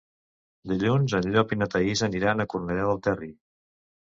Dilluns en Llop i na Thaís aniran a Cornellà del Terri.